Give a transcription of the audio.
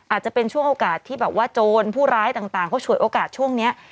อาจจะเป็นช่วงโอกาสที่แบบว่าโจรผู้ร้ายต่างเขาฉวยโอกาสช่วงนี้